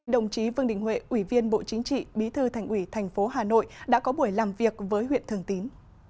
đồng chí vương đình huệ ủy viên bộ chính trị bí thư thành ủy thành phố hà nội đã có buổi làm việc với huyện thường tín